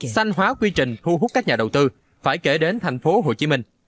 xanh hóa quy trình thu hút các nhà đầu tư phải kể đến thành phố hồ chí minh